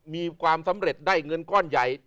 มีความสำเร็จได้เงินก้อนใหญ่